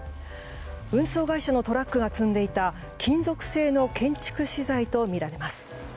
運送会社のトラックが積んでいた金属製の建築資材とみられます。